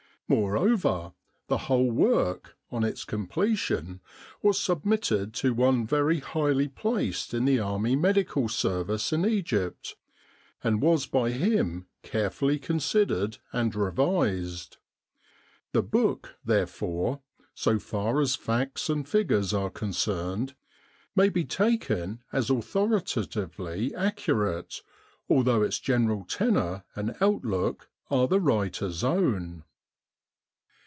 More over, the whole work, on its completion, was sub mitted to one very highly placed in the Army Medical Service in Egypt, and was by him carefully con sidered and revised. The book, therefore, so far as facts and figures are concerned, may be taken as authoritatively accurate, although its general tenor and outlook are the writer's own.